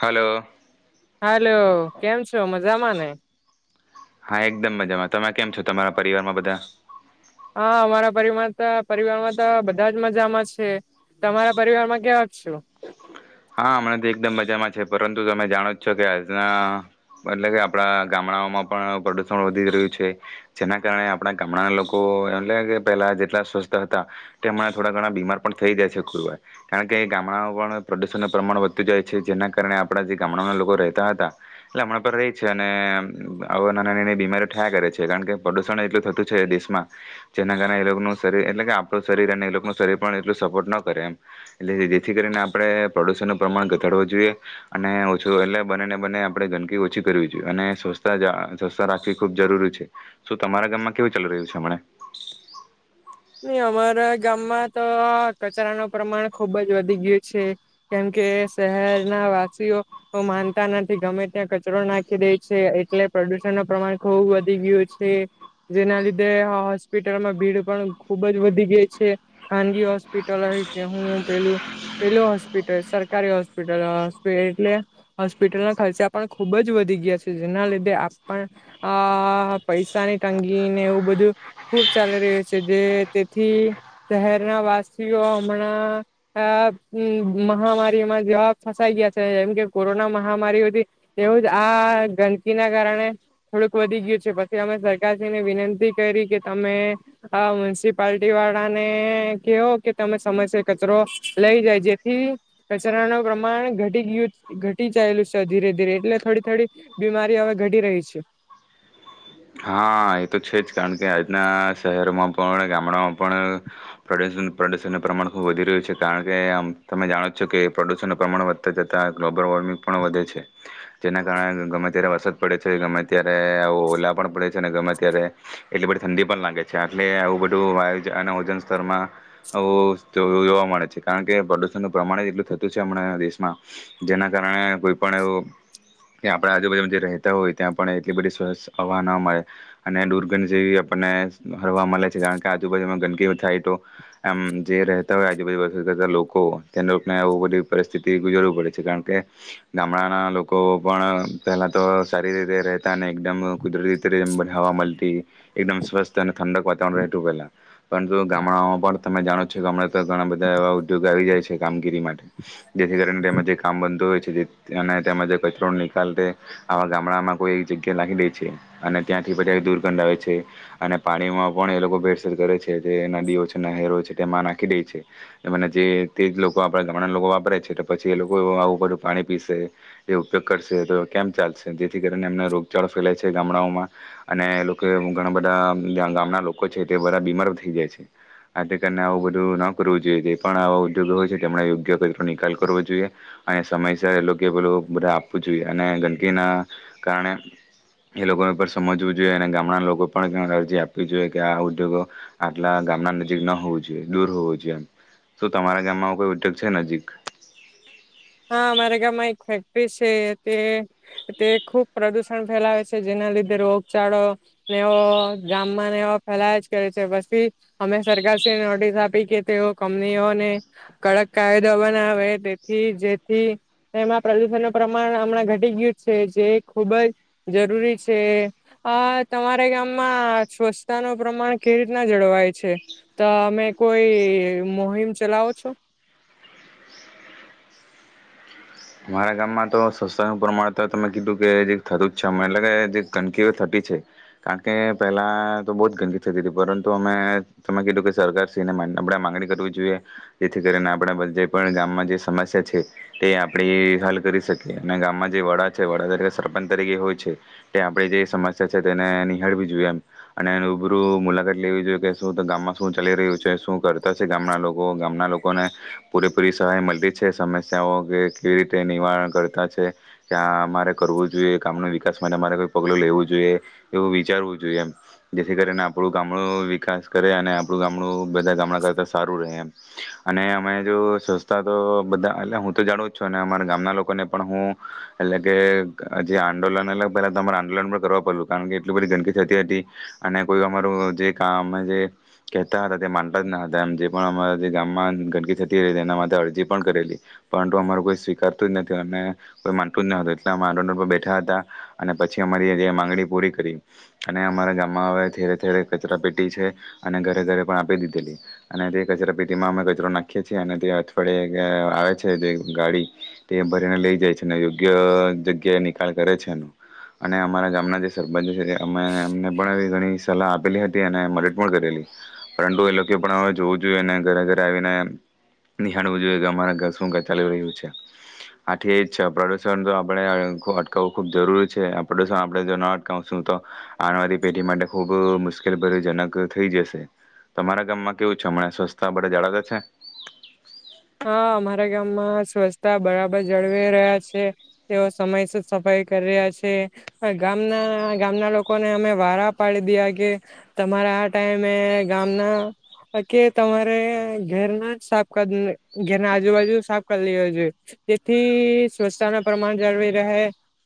Hello. Hello કેમ છો મજામાંને. હા એકદમ મજામાં તમે કેમ છો તમારા પરિવારમાં બધા. હા, અમારા પરિવાર-પરિવારમાં તો બધા જ મજામાં છે તમારા પરિવારમાં કેવાક છું. હા હમણાં તો એકદમ મજામાં છે, પરંતુ તમે જાણો જ છો કે આજના એટલે કે આપણા ગામડાઓમાં પણ પ્રદુષણ વધી રહ્યું છે, જેના કારણે આપણા ગામડાના લોકો એમલે કે પહેલા જેટલા સ્વસ્થ હતા તે હમણાં થોડા ઘણા બીમાર પણ થઈ જયા છે ખુરવાર કારણ કે ગામડાઓ પણ. પ્રદૂષણનું પ્રમાણ વધતું જાય છે જેના કારણે આપણા જે ગામડાના લોકો રહેતા હતા એટલે હમણાં પણ રહે છે અને આ નાની-નાની બીમારીઓ થયા કરે છે કારણ કે પ્રદુષણ એટલું થતું છે એ દેશમાં જેના કારણે એ લોકોનું શરીર એટલે કે આપણું શરીર અને એ લોકોનું શરીર પણ એટલું સપોર્ટ ન કરે એમ એટલે જેથી કરીને આપણે પ્રદુષણ નું પ્રમાણ ઘટાડવું જોઈએ, અને ઓછું એટલે બને ને બને આપણે ગંદકી ઓછી કરવી જોઈએ, અને સ્વચતા સ્વચતા રાખવી ખૂબ જરૂરી છે, શું તમારા ગામમાં કેવું ચાલી રહ્યું છે હમ. નય અમારા ગામમાં તો આ કચરાનો પ્રમાણ ખુબ જ વધી ગ્યું છે. કેમ કે શહેરના વાસીઓ ઓ માનતા નથી. ગમે ત્યાં કચરો નાખી દે છે. એટલે પ્રદુષણ નો પ્રમાણ ખુબ વધી ગ્યું છે. જેના લીધે હો હોસ્પિટલમાં ભીડ પણ ખુબજ વધી ગે છે. ખાનગી હોસ્પિટલ હોય કે હું પેલું પેલું હોસ્પિટલ સરકારી હોસ્પિટલ, હોસ્પી એટલે હોસ્પિટલ ના ખર્ચા પણ ખુબ જ વધી ગયા છે. જેના લીધે આપણ આ પૈસાની તંગીને એવું બધું ખુબ ચાલી રહ્યું છે. જે તેથી શહેરના વાસીઓ હમણાં આ અં મહામારીમાં જવાબ ફસાઈ ગયા છે. જેમ કે કોરોના મહામારી હતી એવુજ આ ગંદકીના કારણે થોડુક વધી ગયું છે. પછી અમે સરકારશ્રીને વિનંતી કરી કે, તમે આ મ્યુનિસિપાલટી વાળા ને કેહો કે તમે સમયસ કચરો લઈ જાય. જેથી કચરાનું પ્રમાણ ઘટી ગયું ઘટી જાયેલું છે ધીરે, ધીરે. એટલે થોડી, થોડી બીમારી હવે ઘટી રહી છે. હા, એ તો છે જ. કારણ કે, આજના શહેરમાં પણ, ગામડામાં પણ પ્રદૂષણ પ્રદુષણનું પ્રમાણ ખૂબ વધી રહ્યું છે. કારણ કે, આમ તમે જાણો જ છો કે પ્રદુષણનું પ્રમાણ વધતા જતાં ગ્લોબલ વોર્મિંગ પણ વધે છે. જેના કારણે ગમે ત્યારે વરસાદ પડે છે. ગમે ત્યારે આ ઓલા પણ પડે છે અને ગમે ત્યારે એટલી બધી ઠંડી પણ લાગે છે. આટલે આવું બધું વાયુ જ અને ઓઝોન સ્તરમાં આવું [unintelligible] જો જોવા મળે છે. કારણ કે પ્રદુષણનું પ્રમાણ જ એટલું થતું છે હમણાના દેશમાં. જેના કારણે કોઈ પણ એવું કે આપણે આજુબાજુમાં જે રહેતા હોય ત્યાં પણ એટલી બધી [unintelligible] હવા ના મળે અને દુર્ગંધ જેવી આપણને ફરવા મલે છે. કારણ કે, આજુબાજુમાં ગંદકીઓ સાઈટો એમ જે રેહતા હોય આજુબાજુ [unintelligible] લોકો, તે લોકને આવ બધી પરિસ્થિતિ ગુજરવું પડે છે કાણકે ગામડાના લોકો પણ પેહલા તો સારી રીતે રેહતા ને એકદમ [unintelligible] [unintelligible] હવા મલતી, એકદમ સ્વસ્થ અને ઠંડક વાતાવરણ રેહતું પેલ્લા. [unintelligible] ગામડામાં પણ તમે જાણો છો ગામડા તો ઘણા બધા એવા ઉદ્યોગ આવી જાય છે કામગીરી માટે. જેથી કરિન તેમાં જે કામ [unintelligible] [unintelligible] નિકાલતે આવા ગામડામાં કોઈ એક જગ્યા લાખી દે છે. અને ત્યાંથી બધા દુર્ગંધ આવે છે અને પાણીમાં પણ એ લોકો [unintelligible] કરે છે. જે નદીઓ છે, નહેરો છે તેમાં નાખી દેઇ છે. એમાંના જે તેજ લોકો આપડા ગામડાના લોકો વાપરે છે તો પછી એ લોકોએ આવું બધું પાણી પીસે, એ ઉપયોગ કરસે તો કેમ ચાલસે, જેથી કરીને એમને રોગચાળો ફેલાય છે. તે ગામડાઓમાં અને લોકો એવું ઘણા બધા જ્યાં ગામના લોકો છે તે બધા બીમારો થઈ જાય છે. આતે કરને આવું બધું ન કરવું જોઈએ. જે પણ આવા ઉદ્યોગો હોય છે તેમણે યોગ્ય કઇ તો નિકાલ કરવો જોઈએ અને સમયસર એ લોકે પેલું બધા આપવું જોઈએ અને ગંકીના કારણે એ લોકોને પણ સમજવું જોઈએ અને ગામડાના લોકો પણ [unintelligible] અરજી આપવી જોઈએ કે આ ઉદ્યોગો આટલા ગામના નજીક ના હોવું જોઈએ, દૂર હોવું જોઈએ એમ. સુ તમારા ગામમાં આવો કોઈ ઉદ્યોગ છે નજીક? હા, મારે ગામમાં એક ફેક્ટરી સે તે-તે ખુબ પ્રદુષણ ફેલાવે છે જેના લીધે રોગચાળો નેવો ગામમાંને એવો ફેલાયાજ કરે છે. પસી અમે સરકારશશ્રીને નોટિસ આપી કે તેઓ કંપનીઓને કડક કાયદો બનાવે તેથી જે થી એમાં પ્રદુષણનું પ્રમાણ અમણાં ઘટી ગ્યું છે જે ખૂબજ જરૂરી છે. આ તમારે ગામમાં ચ્છચ્છતાનું પ્રમાણ કેવી રીતના જળવાય છે? તમે કોઈ મોહિમ ચલાવો છો? મારા ગામમાં તો સસ્તાનું પ્રમાણ તો તમે કીધું કે [unintelligible] થતુંજ છે અમના એટલે કે જે ગંકીઓ થતી છે કાણકે પેલા તો બોત ગંકી થતી થી પરંતુ અમે, તમે કીધું કે સરકારશ્રીને માં આપણેે માંગણી કરવી જોઈએ જેથી કરીને આપણે [unintelligible] જે પણ ગામમાં જે સમસ્યા છે તે આ [unintelligible] હલ કરી સકીએ ને ગામમાં જે વડા છે વડા તરીકે સરપંચ તરીકે હોય છે, તે આપડે જે સમસ્યા છે તેને નિહાળવી જોઈએ એમ અને રૂબરૂ મુલાકાત લેવી જોઈએ કે સુ તો ગામમાં સુ ચાલી રહ્યું છે, સુ કરતા છે ગામના લોકો. ગામના લોકોને પૂરેપૂરી સહાય મલતી છે સમસ્યાઓ કે કેવી રીતે નિવારણ કરતા છે, [unintelligible] મારે કરવું જોઈએ ગામનું વિકાસ માટે અમારે કોઈ પગલું લેવું જોઈએ એવું વિચારવું જોઈએ એમ જેથી કરીને આપડુ ગામડું વિકાસ કરે અને આપડુ ગામડું બધા ગામડા કરતા સારું રહે એમ અને અમે જો સંસ્થા તો બધા અલા હું તો જાણું છો ને અમારા ગામના લોકોને પણ હું એટલે કે જે આંદોલન એટલે પેલા તમારે આંદોલન પણ કરવા પડલું કાણકે એટલી બધી ગંકી થતી હતી અને કોઈ અમારું જે કામ જે કેહતા હતા તે માનતાજ ના હતા એમ જે પણ અમારા જે ગામમાં ગંકી થતી હતી તેના માટે અરજી પણ કરેલી પરંતુ અમારું કોઈ સ્વીકારતુંજ નથી અને કોઈ માનતુંજ [unintelligible] એટલે અમે આંદોલન પર બેઠા અતા અને પછી અમારી આ જે માંગણી પૂરી કરી અને અમારા ગામમાં અવે થેરે થેરે કચરાપેટી છે અને ઘરે ઘરે પણ આપી દીધેલી અને તે કચરાપેટીમાં અમે કચરો નાખીએ છે અને તે અઠવાડિયે [unintelligible] આવે છે જે ગાડી તે ભરીને લેઈ જાય છે ને યોગ્ય જગ્યાએ નિકાલ કરે છે અને અમારા ગામના જે સરપંચ છે અમે અમને પણ એવી ઘણી સલાહ આપેલી હતી અને મદદ પણ કરેલી પરંતુ એ લોકે પણ અવે જોવું જોઈએ અને ઘરે ઘરે આવીને નિહાળવું જોઈએ કે અમારા [unintelligible] ચાલીુ રહ્યું છે. આથી એજ છે પ્રદુષણ તો આપડે [unintelligible] ખૂબ જરૂરી છે. આ પ્રદુષણ આપડે જો ન અટકાવસુ તો આ [unintelligible] પેઢી માટે ખૂબ મુશ્કેલ ભરી જનક થઈ જસે. તમારા ગામમાં કેવું છે હમણાં, સ્વસ્થા બધે જાળવતા છે? સ્વસતા બરાબર જળવી રહ્યા છે. તેઓ સમય સુ સફાઈ કરી રહ્યા છે. આ ગામના, ગામના લોકોને અમે વારા પાડી દિયા કે તમારા આ ટાઈમે ગામના, કે તમારે ઘેરનાજ સાફ [unintelligible] ધેરના આજુબાજુ સાફ કર લેઓ જોઈએ જેથી સ્વસતાનો પ્રમાણ જળવી રહે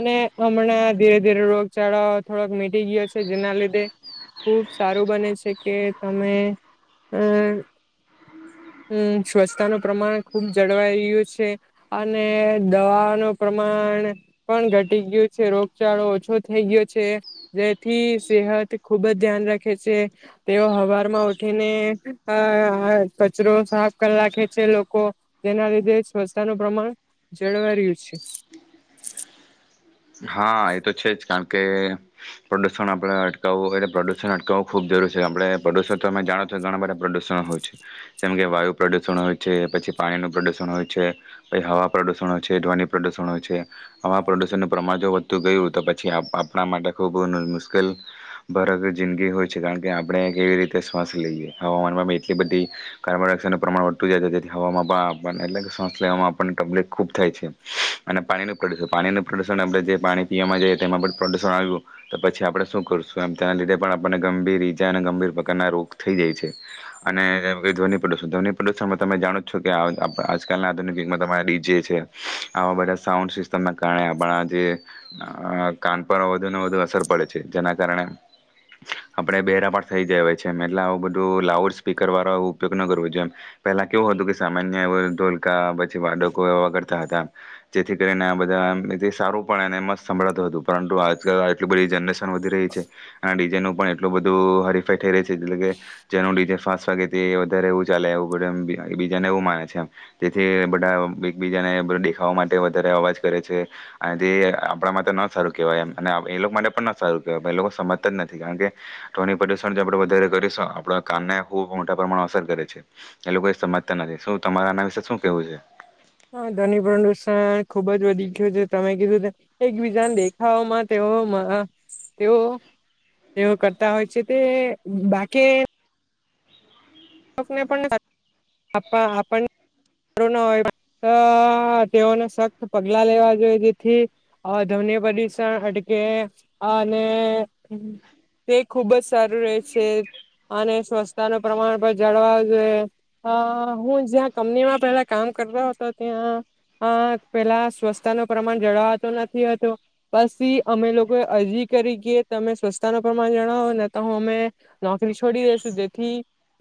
અને અમને ધીરે ધીરે રોગચાળો થોડોક મીટી ગ્યો છે જેના લીધે ખુબ સારું બને છે કે તમે અહ અહ ચ્છ્વચ્છતાનો પ્રમાણ ખૂબ જળવાઈ રયુ છે અને દવાનો પ્રમાણ પણ ઘટી ગ્યું છે. રોગચાળો ઓછો થઈ ગ્યો છે જેથી સેહત ખુબજ ધ્યાન રાખે છે. તેઓ હવારમાં ઉઠીને આહ આ કચરો સાફ કર રાખે છે. લોકો તેના લીધે ચ્છ્વચ્છતાનું પ્રમાણ જળવાઈ રહ્યું છે. હા, એ તો છે જ કાણકે પ્રદુષણ આપડે અટકાવું હોય તો પ્રદુષણ અટકાવું ખૂબ જરૂરી છે. આપડે [unintelligible] જાણો છો ઘણા બધા પ્રદૂષણ હોય છે જેમકે વાયુ પ્રદુષણ હોય છે, પછી પાણીનું પ્રદુષણ હોય છે, પઇ હવા પ્રદુષણ હોય છે, ધ્વનિ પ્રદુષણ હોય છે. હવા પ્રદુષણનું પ્રમાણ જો વધતું ગયું તો પછી આપ-આપણા માટે ખૂબ મુ-મુશ્કેલ ભરક જિંદગી હોય છે. કારણ કે આપણે કેવી રીતે શ્વાસ લઈએ, હવામાનમાં એટલી બધી કાર્બન ડાયોક્સાઇડ નું પ્રમાણ વધતું જાય છે, જેથી હવામાં પણ આપણ એટલે શ્વાસ લેવામાં આપણને તકલીફ ખૂબ થાય છે. અને પાણીનું પ્રદૂષણ, પાણીના પ્રદૂષણ આપણે જે પાણી પીવામાં જઈએ તેમાં પણ પ્રદુષણ આવ્યું તો પછી આપણે શું કરશું એમ. તેના લીધે પણ આપણને ગંભીર ઈજા અને ગંભીર પ્રકારના રોગ થઈ જાય છે. અને ધ્વનિ પ્રદૂષણ-ધ્વનિ પ્રદુષણમાં તમે જાણો છો કે આ આપડા આજકાલના આધુનિક યુગમાં તમારા ડીજે છે, આવા બધા સાઉન્ડ સિસ્ટમના કારણે બણા જે અહ કાન પર વધુ ને વધુ અસર પડે છે. જેના કારણે આપડ બેહેરાપ થઈ જાય હોય છે એમ એટલે આવું બધું લાઉડ સ્પીકર વાળો ઉપયોગ ન કરવો જોમ પહેલા કેવું હતું કે સામાન્ય એ ઢોલકા પછી વાળકો એવા કરતા હતા, જેથી કરીને આ. બધા જે સારું પણ એને એમાં જ સંભાતું હતું, પરંતુ આજકાલ આટલી બધી જનરેશ વધી રહી છે, કારણ કે જેનો પણ એટલો બધું હરીફેઈ થઈ રહી છે. એટલે કે જેનું ડીજે ફાસ્ટ વાગે તે વધારે એવું ચાલે એવું એમ બીજાને એવું માને છે. જેથી બધા એકબીજાને દેખાવા માટે વધારે અવાજ કરે છે. અરે આપણા માટે ન સારું કેહેવાય એમ અને એ લોકો માટે પણ ન સારું કેહેવાય. પર એ લોકો સમજતા જ નથી કારણ કે ધ્વનિ પ્રદુષણ જે આપણે વધારે કરીશું આપણા કાનને ખૂબ મોટા પ્રમાણમાં અસર કરે છે, એ લોકો એ સમજતા નથી. શું તમારે આના વિશે શું કેહેવું છે? હા, ધ્વનિ પ્રદુષણ ખુબજ વધી ગયું છે. તમે કીધું કે એકબીજા દેખાવઓમાં તેઓમાં તેઓ-તેઓ કરતા હોય છે. તે બાકે આપણે પણ આપ્પા આપણ તેઓને સખ્ત પગલા લેવા જોઈએ જેથી ધ્વનિ પ્રદુષણ હટકે અને તે ખુબજ સારું રહે છે, અને સ્વસ્છતા નો પ્રમાણ પણ જણાવાયું હૈ. આહ હું જ્યાં કંપનીમાં પેલા કામ કરતો હતો ત્યાં આહ પેલા સ્વચ્છતા નો પ્રમાણ જળવાતો નથીતું. પછી અમે લોકો અરજી કરી કે તમે સ્વચ્છતા નો પ્રમાણ જણાવોને તો હમે નોકરી છોડી દેસું તેથી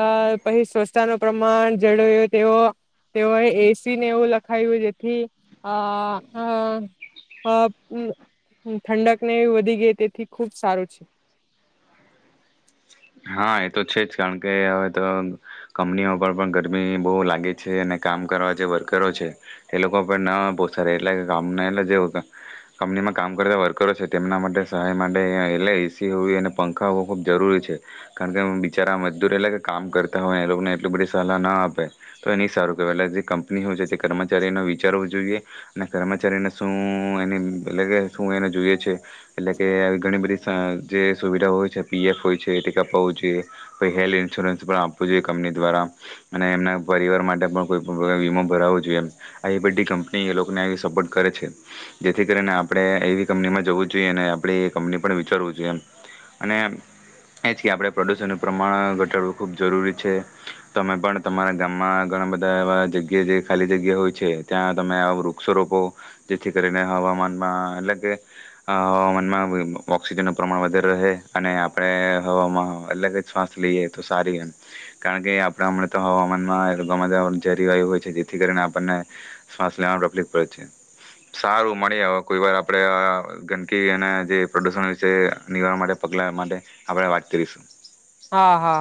આહ પછી સ્વચ્છતા નો પ્રમાણ જાણેવું તેવો તેઓ એ એ સી ને એવું લખાવ્યું જે. થી આ આ અ અ [unintelligible] ઠંડક ને વધી ગઈ તેથી ખૂબ સારું છે હા એ તો છે જ કારણ કે હવે તો કંપનીઓ પણ પણ ગરમી બહુ લાગે છે અને કામ કરવા જે વર્કરો છે એ લોકો પણ ન પોસડ એટલે કે કામના એટલા જે કંપનીમાં કામ કરતા વર્કરો છે તેમના માટે સહાય માટે એટલે એસી હોવી અને પંખા હોવું ખૂબ જરૂરી છે કારણ કે બિચારા મજદૂર એટલે કામ કરતા હોય એ લોકોને એટલી બધી સલાહ ના આપે તો એ ન સારું કેવાય એટલે જે કંપની હોય છે જે કર્મચારીને વિચારવું જોઈએ અને કર્મચારીને શું એને એટલે કે શું એને જોઈએ છે એટલે કે આવી ઘણી બધી જે સુવિધા હોય છે પીએફ હોય છે કે કપાવું જોઈએ પહી હેલ્થ ઇન્સ્યોરન્સ પણ આપવું જોઈએ કંપની દ્વારા અને એમના પરિવાર માટે પણ કોઈ પણ વીમો ભરાવો જોઈએ આ એ બધી કંપની એ લોકોને આવી સપોર્ટ કરે છે જેથી કરીને આપણે એવી કંપનીમાં જવું જોઈએ અને આપણે એ કંપની પણ વિચારવું જોઈએ અને એ જ કે આપણે પ્રદૂષણનું પ્રમાણ ઘટાડવું ખૂબ જરૂરી છે તમે પણ તમારા ગામમાં ઘણા બધા એવા જગ્યાએ જે ખાલી જગ્યા હોય છે ત્યાં તમે આ વૃક્ષો રોપો જેથી કરીને હવામાનમાં એટલે કે આ હવામાનમાં ઑક્સિજનનું પ્રમાણ વધારે રહે અને આપણે હવામાં અલગ જ શ્વાસ લઈએ તો સારી એમ કારણ કે આપડે હમણાં તો હવામાનમાં [unintelligible] જેરી વાયુ હોય છે જેથી કરીને આપણને શ્વાસ લેવા તકલીફ પડે છે સારું મળે કોઈ વાર આપણે ગંદકી અને જે પ્રદુષણ વિશે નિવારણ માટે પગલા માટે આપણે વાત કરીશું. હા હા